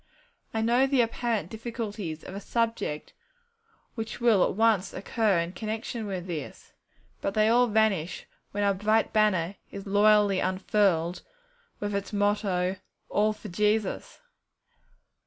I know the apparent difficulties of a subject which will at once occur in connection with this, but they all vanish when our bright banner is loyally unfurled, with its motto, 'All for Jesus!'